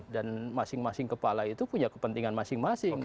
dan masing masing kepala itu punya kepentingan masing masing